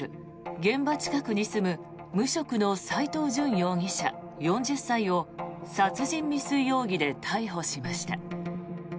現場近くに住む無職の斎藤淳容疑者、４０歳を殺人未遂容疑で逮捕しました。